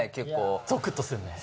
ゾクッとするね。